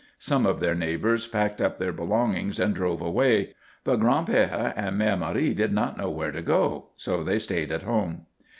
Some of their neighbours packed up their belongings and drove away, but Gran'père and Mère Marie did not know where to go, so they stayed at home.